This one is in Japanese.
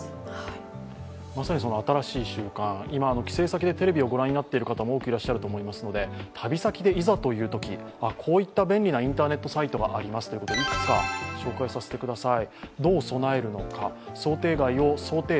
まさに新しい習慣、帰省先でテレビを御覧になっている方も多くいらっしゃると思いますので旅先でいざというとき、こういった便利なインターネットサイトがありますということで、いくつか紹介させてください。